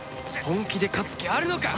本気で勝つ気あるのか！？